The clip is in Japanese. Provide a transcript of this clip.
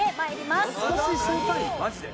マジで？